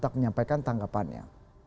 telah menyampaikan tanggapannya